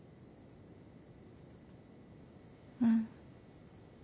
うん。